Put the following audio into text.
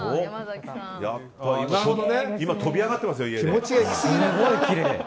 今、飛び上がってますよ、家で。